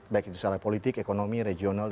baik itu secara politik ekonomi regional